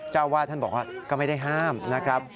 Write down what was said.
เจ้าอาวาสท่านบอกว่าก็ไม่ได้ห้ามนะครับ